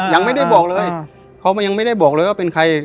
ยังไม่ได้บอกเลยเขายังไม่ได้บอกเลยว่าเป็นใคร